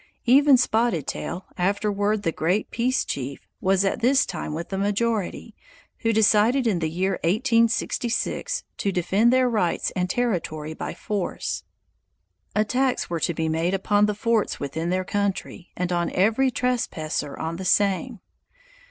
Even Spotted Tail, afterward the great peace chief, was at this time with the majority, who decided in the year 1866 to defend their rights and territory by force. Attacks were to be made upon the forts within their country and on every trespasser on the same.